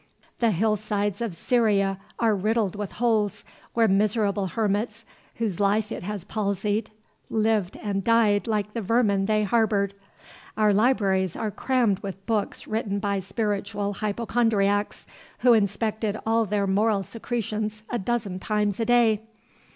The hill sides of Syria are riddled with holes, where miserable hermits, whose lives it had palsied, lived and died like the vermin they harbored. Our libraries are crammed with books written by spiritual hypochondriacs, who inspected all their moral secretions a dozen times a day.